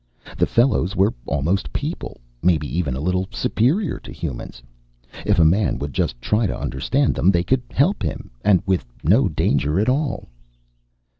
The fellows were almost people maybe even a little superior to humans. If a man would just try to understand them, they could help him, and with no danger at all.